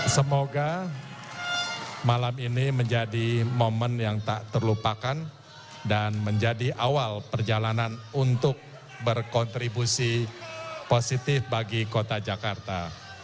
semoga malam ini menjadi momen yang tak terlupakan dan menjadi awal perjalanan untuk berkontribusi positif bagi kota jakarta